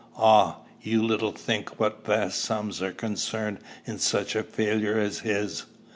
"Ah! you little think what vast sums are concerned in such a failure as his!"